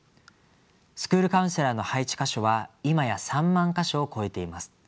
スクールカウンセラーの配置箇所は今や３万か所を超えています。